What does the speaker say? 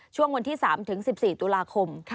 ช่วงวันที่๓ถึง๑๔ตุลาคม